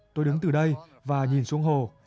tôi đứng từ đây và nhìn xuống hồ